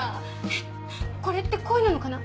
えっこれって恋なのかな？